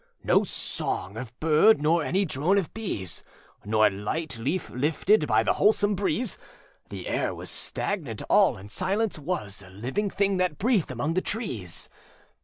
âNo song of bird nor any drone of bees, Nor light leaf lifted by the wholesome breeze: The air was stagnant all, and Silence was A living thing that breathed among the trees.